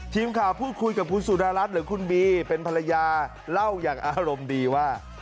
ทีมข่าวพูดคุยกับคุณสุดารัฐหรือคุณบีเป็นภรรยาเล่าอย่างอารมณ์ดีว่า